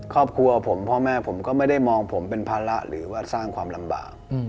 ครอบครัวผมพ่อแม่ผมก็ไม่ได้มองผมเป็นภาระหรือว่าสร้างความลำบาก